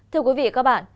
thưa quý vị và các bạn